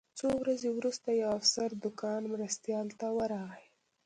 څو ورځې وروسته یو افسر د کان مرستیال ته ورغی